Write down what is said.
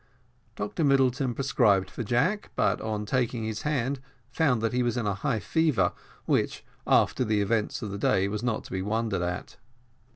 Dr Middleton prescribed for Jack, but on taking his hand found that he was in a high fever, which, after the events of the day, was not to be wondered at.